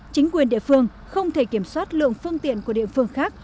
chính quyền địa phương không thể kiểm soát lượng phương tiện của địa phương khác